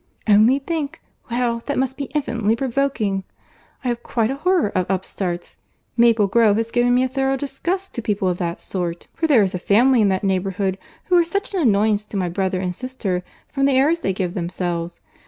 "Only think! well, that must be infinitely provoking! I have quite a horror of upstarts. Maple Grove has given me a thorough disgust to people of that sort; for there is a family in that neighbourhood who are such an annoyance to my brother and sister from the airs they give themselves!